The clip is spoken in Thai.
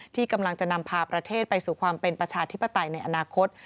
ที่กำลังจะนำพาประเทศไปสู่ความเป็นประชาธิปไตยในอนาคต